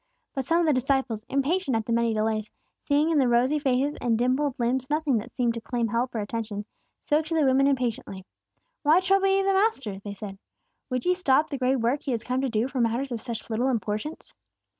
But some of the disciples, impatient at the many delays, seeing in the rosy faces and dimpled limbs nothing that seemed to claim help or attention, spoke to the women impatiently. "Why trouble ye the Master?" they said. "Would ye stop the great work He has come to do for matters of such little importance?"